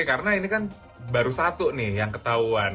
karena ini kan baru satu nih yang ketahuan